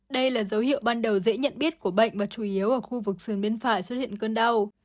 đây là dấu hiệu ban đầu dễ nhận biết của bệnh và chủ yếu ở khu vực sườn bên phải xuất hiện cơn đau